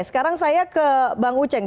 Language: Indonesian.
sekarang saya ke bang uceng